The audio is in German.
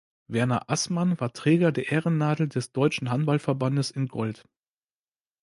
Werner Aßmann war Träger der Ehrennadel des Deutschen Handballverbandes in Gold.